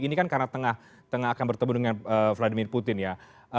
ini kan karena tengah akan bertemu dengan vladimir putin ya